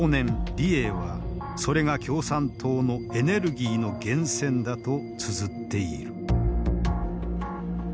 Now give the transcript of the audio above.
李鋭はそれが共産党のエネルギーの源泉だとつづっている。